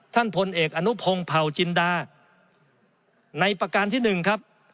พลเอกอนุพงศ์เผาจินดาในประการที่๑ครับ